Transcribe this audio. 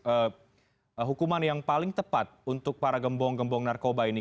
apa hukuman yang paling tepat untuk para gembong gembong narkoba ini